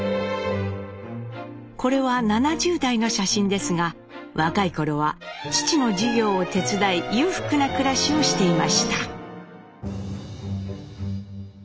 これは７０代の写真ですが若い頃は父の事業を手伝い裕福な暮らしをしていました。